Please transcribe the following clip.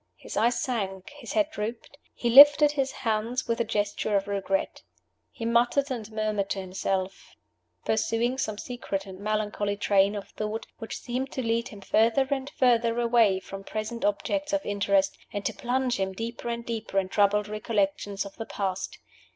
His eyes sank, his head drooped; he lifted his hands with a gesture of regret. He muttered and murmured to himself; pursuing some secret and melancholy train of thought, which seemed to lead him further and further away from present objects of interest, and to plunge him deeper and deeper in troubled recollections of the past.